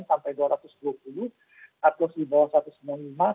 artplos di bawah satu ratus lima puluh lima